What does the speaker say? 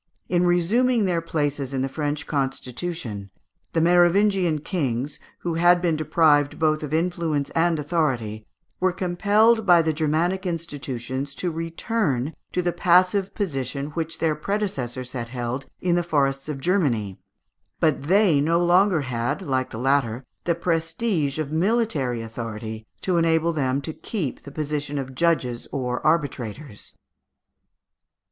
In resuming their places in the French constitution, the Merovingian kings, who had been deprived both of influence and authority, were compelled by the Germanic institutions to return to the passive position which their predecessors had held in the forests of Germany, but they no longer had, like the latter, the prestige of military authority to enable them to keep the position of judges or arbitrators.